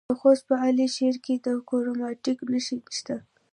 د خوست په علي شیر کې د کرومایټ نښې شته.